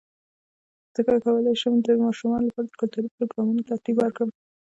څنګه کولی شم د ماشومانو لپاره د کلتوري پروګرامونو ترتیب ورکړم